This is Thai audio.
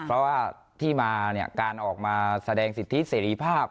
เพราะว่าที่มาเนี่ยการออกมาแสดงสิทธิเสรีภาพ